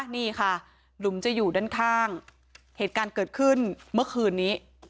นี่ค่ะหลุมจะอยู่ด้านข้างเหตุการณ์เกิดขึ้นเมื่อคืนนี้